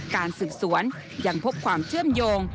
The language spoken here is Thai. การสืบสวนยังพบความเชื่อมโยง